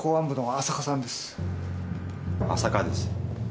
浅香です。